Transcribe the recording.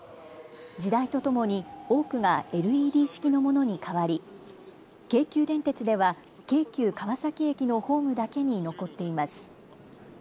時代とともに多くがＬＥＤ式のものにかわり京急電鉄では京急川崎駅のホームだけに残っています。